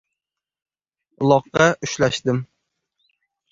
Uloqqa ushlashdim.